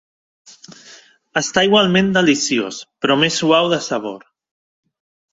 Està igualment deliciós, però més suau de sabor.